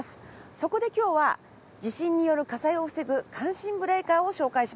そこで今日は地震による火災を防ぐ感震ブレーカーを紹介します。